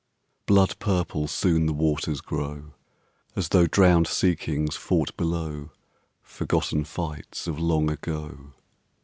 Blood purple soon the waters grow, As though drowned sea kings fought below Forgotten fights of long ago.